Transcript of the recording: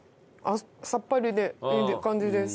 さっぱりでいい感じです。